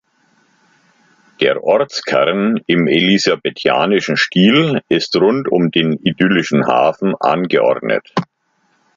Der Ortskern im elisabethanischen Stil ist rund um den idyllischen Hafen angeordnet.